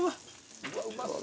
うわうまそう。